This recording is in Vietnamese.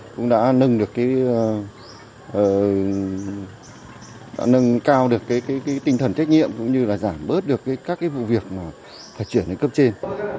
cũng đã nâng cao được tinh thần trách nhiệm cũng như giảm bớt được các vụ việc phải chuyển đến cấp trên